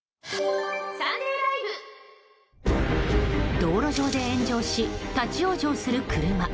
道路上で炎上し立ち往生する車。